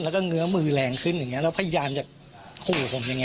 แล้วก็เงื้อมือแรงขึ้นอย่างนี้แล้วพยายามจะขู่ผมอย่างนี้